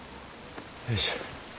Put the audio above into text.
よいしょ